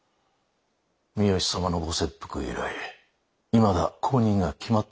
三好様のご切腹以来いまだ後任が決まっておりません。